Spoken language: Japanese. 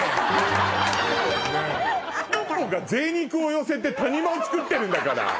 がぜい肉を寄せて谷間を作ってるんだから。